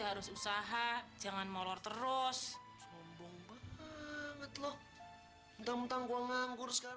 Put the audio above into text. harus usaha jangan molor terus ngomong banget loh entam entam gua mau kuruskan